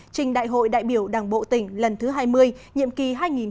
trình đại hội đại biểu đảng bộ tỉnh lần thứ hai mươi nhiệm kỳ hai nghìn hai mươi hai nghìn hai mươi năm